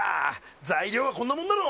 材料はこんなもんだろ。